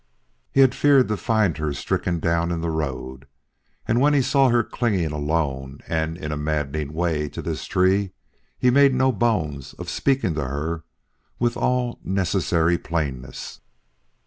He had feared to find her stricken down in the road, and when he saw her clinging alone and in a maddened way to this tree, he made no bones of speaking to her with all necessary plainness.